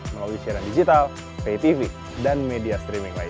melalui siaran digital pay tv dan media streaming lain